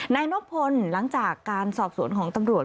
นายนบพลหลังจากการสอบสวนของตำรวจ